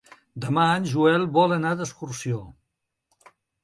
Demà en Joel vol anar d'excursió.